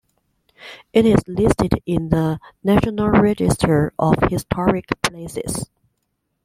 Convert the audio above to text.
It is listed in the National Register of Historic Places.